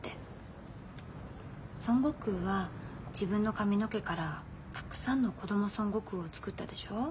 孫悟空は自分の髪の毛からたくさんの子供孫悟空を作ったでしょう？